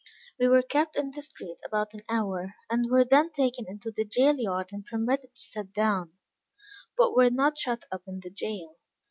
We were kept in the street about an hour, and were then taken into the jail yard and permitted to sit down; but were not shut up in the jail.